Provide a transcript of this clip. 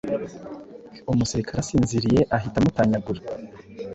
Umusirikare asinziriyeahita amutanyagura